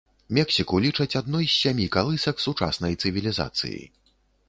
Мексіку лічаць адной з сямі калысак сучаснай цывілізацыі.